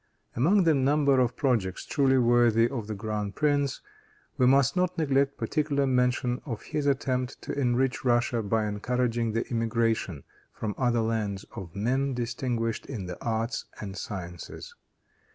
Among the number of projects truly worthy of the grand prince, we must not neglect particular mention of his attempt to enrich Russia by encouraging the emigration, from other lands, of men distinguished in the arts and sciences.